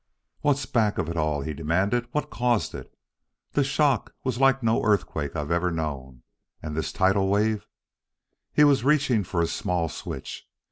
"What's back of it all?" he demanded. "What caused it? The shock was like no earthquake I've ever known. And this tidal wave " He was reaching for a small switch.